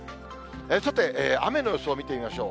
さて雨の予想を見てみましょう。